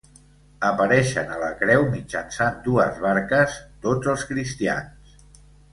Apareixen a la Creu mitjançant dues barques tots els cristians.